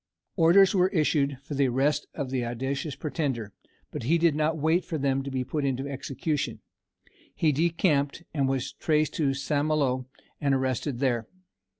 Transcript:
Orders were issued for the arrest of the audacious pretender, but he did not wait for them to be put into execution. He decamped, and was traced to St. Malo, and arrested there.